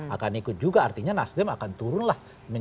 akan ikut juga artinya nasdem akan turun lah